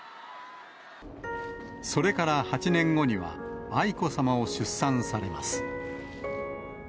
それから８年後には、愛子さまを出産されます。